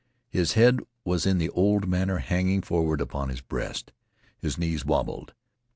His head was in the old manner hanging forward upon his breast. His knees wobbled.